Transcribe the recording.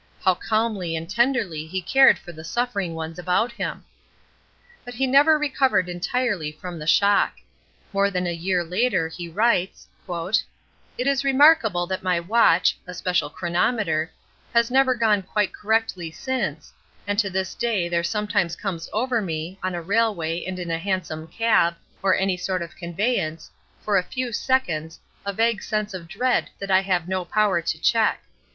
How calmly and tenderly he cared for the suffering ones about him! But he never recovered entirely from the shock. More than a year later he writes: "It is remarkable that my watch (a special chronometer) has never gone quite correctly since, and to this day there sometimes comes over me, on a railway and in a hansom cab, or any sort of conveyance, for a few seconds, a vague sense of dread that I have no power to check.